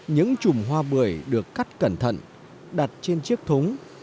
những chùm hoa bưởi được cắt cẩn thận đặt trên chiếc thúng